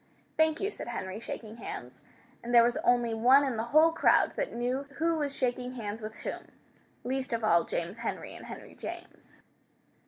"Thank you," said Henry, shaking hands. And there was only one in the whole crowd that knew who was shaking hands with whom, least of all James Henry and Henry James.